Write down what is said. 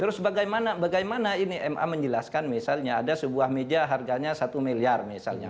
terus bagaimana ini ma menjelaskan misalnya ada sebuah meja harganya satu miliar misalnya